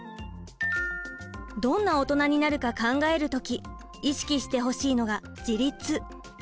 どんなオトナになるか考える時意識してほしいのが自立。